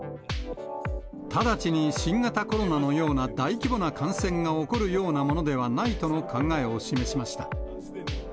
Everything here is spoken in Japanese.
直ちに新型コロナのような大規模な感染が起こるようなものではないとの考えを示しました。